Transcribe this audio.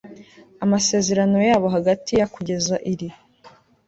amasezerano yabo hagati ya kugeza iri